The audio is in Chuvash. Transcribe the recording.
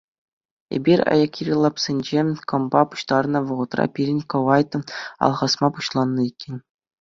Эпир аякри лапсенче кӑмпа пуҫтарнӑ вӑхӑтра пирӗн кӑвайт алхасма пуҫланӑ иккен.